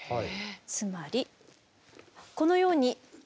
つまりこのように。